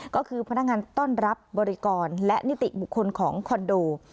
ก็คือพนักงานต้อนรับบริกรและนิติบุคคลของคอนโด